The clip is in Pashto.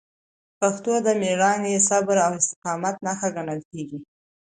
پښتو د میړانې، صبر او استقامت نښه ګڼل کېږي.